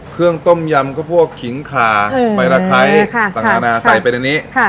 เครื่องต้มยำก็พวกขิงขาใบละไคร้ต่างนานาใส่ไปในนี้